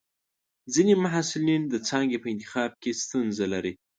ځینې محصلین د څانګې په انتخاب کې ستونزه لري.